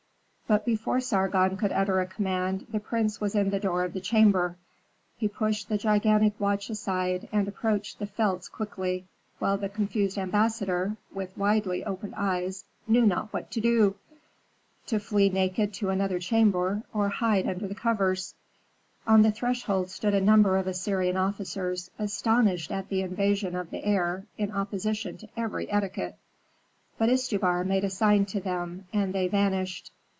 But before Sargon could utter a command, the prince was in the door of the chamber. He pushed the gigantic watch aside, and approached the felts quickly, while the confused ambassador, with widely opened eyes, knew not what to do, to flee naked to another chamber, or hide beneath the covers. On the threshold stood a number of Assyrian officers, astonished at the invasion of the heir in opposition to every etiquette. But Istubar made a sign to them, and they vanished.